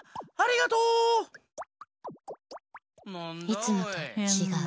いつもとちがう。